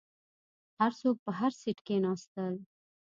هر څوک په هر سیټ کښیناستل.